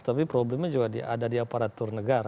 tapi problemnya juga ada di aparatur negara